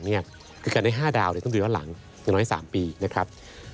ใน๕ดาวเนี่ยทั้งโดยย้อนหลังยังไม่๓ปีนะครับ